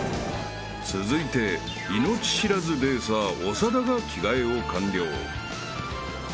［続いて命知らずレーサー長田が着替えを完了］